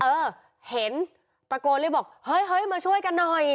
เออเห็นตะโกนเลยบอกเฮ้ยมาช่วยกันหน่อย